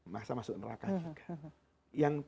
masa masuk neraka juga